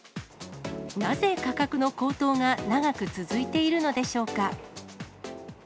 なぜ価格の高騰が長く続いているのでしょうか。